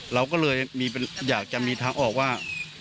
เราก็เลยอยากจะมีทางออกว่า